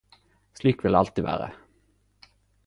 Slik vil det alltid vere.